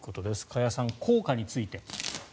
加谷さん、効果について。